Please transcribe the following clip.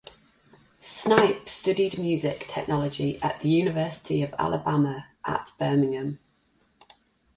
Snipe studied music technology at the University of Alabama at Birmingham.